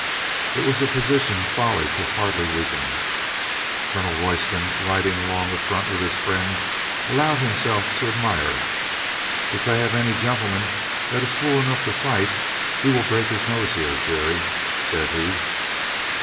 It was a position folly could hardly weaken. Colonel Royston, rid ing along the front with his friend, allowed himself to admire. "If they have any gentleman that is fool enough to fight, he will break his nose here, Jerry," said he.